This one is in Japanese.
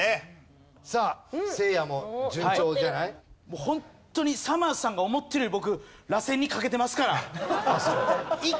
もうホントにさまぁずさんが思ってるより僕螺旋に懸けてますから。